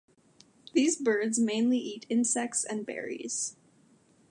These birds mainly eat insects and berries.